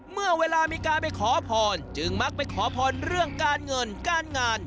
เมื่อเวลามีการไปขอพรจึงมักไปขอพรเรื่องการเงินการงาน